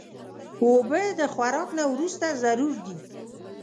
اوبه د خوراک نه وروسته ضرور دي.